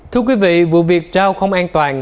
thưa quý vị vụ việc trao không an toàn